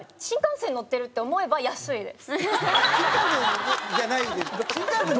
新幹線乗ってるとは思えない。